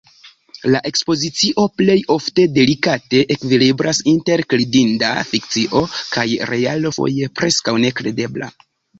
La ekspozicio plej ofte delikate ekvilibras inter kredinda fikcio kaj realo foje preskaŭ nekredebla.